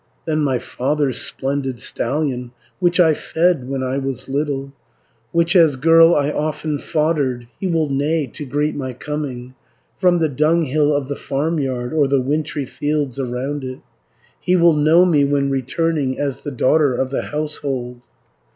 420 "Then my father's splendid stallion, Which I fed when I was little, Which as girl I often foddered, He will neigh to greet my coming, From the dunghill of the farmyard, Or the wintry fields around it; He will know me, when returning, As the daughter of the household.